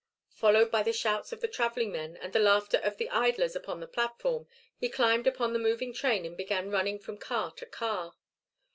Followed by the shouts of the travelling men and the laughter of the idlers upon the platform he climbed upon the moving train and began running from car to car.